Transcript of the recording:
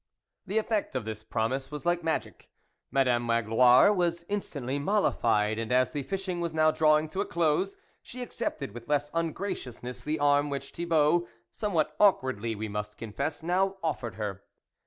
The effect of this promise was like magic. Madame Magloire was instantly mollified, and as the fishing was now drawing to a close, she accepted with less ungraciousness the arm which Thibault, somewhat awkwardly we must confess, now offered her.